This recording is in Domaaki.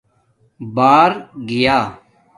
بار گیا